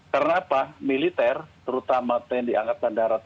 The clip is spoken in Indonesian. karena militer terutama yang diangkatkan darat